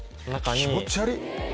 気持ち悪ぃ。